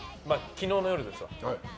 昨日の夜ですわ。